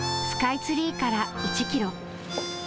スカイツリーから１キロ。